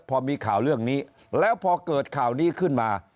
พอมีข่าวเรื่องนี้แล้วพอเกิดข่าวนี้ขึ้นมา